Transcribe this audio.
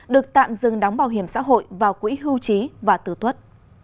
được tạm dừng đóng bảo hiểm xã hội vào quỹ hưu trí và tử tuất